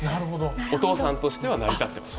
お父さんとしては成り立ってます。